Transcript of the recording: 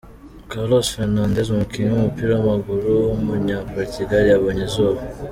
Carlos Fernandes, umukinnyi w’umupira w’amaguru w’umunyaportugal yabonye izuba.